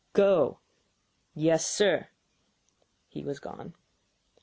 "Go!" "Yes, sir." He was gone.